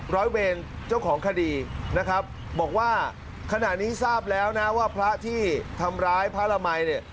ร้อยเวรเจ้าของคดีนะครับบอกว่าขณะนี้ทราบแล้วนะว่าพระที่ทำร้ายพระละมัยเนี่ย